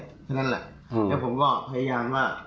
เท่านั้นแหละแล้วผมก็พยายามว่า